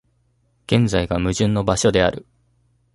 現在が矛盾の場所である。